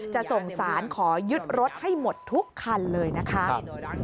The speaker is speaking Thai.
จะส่งสารขอยึดรถให้หมดทุกคันเลยนะคะ